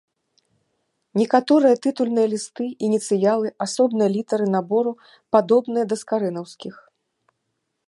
Некаторыя тытульныя лісты, ініцыялы, асобныя літары набору падобныя да скарынаўскіх.